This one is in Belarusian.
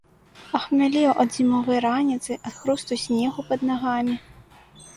Ахмялеў ад зімовай раніцы, ад хрусту снегу пад нагамі.